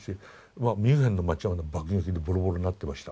まあミュンヘンの町は爆撃でボロボロになってました。